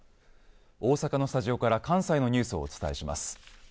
大阪のスタジオから関西のニュースをお伝えします。